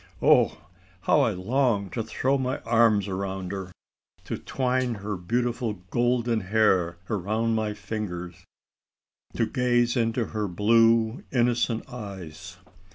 Oh! how I long to throw my arms around her! to twine her beautiful golden hair around my fingers, to gaze into her blue innocent eyes!"